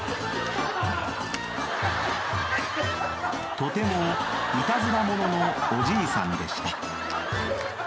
［とてもいたずら者のおじいさんでした］